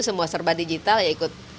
semua serba digital ya ikut